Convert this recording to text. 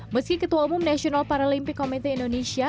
meski ketua umum national paralimpik komite indonesia